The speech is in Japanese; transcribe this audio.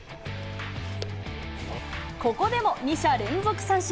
ここでも２者連続三振。